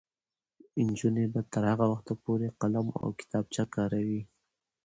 نجونې به تر هغه وخته پورې قلم او کتابچه کاروي.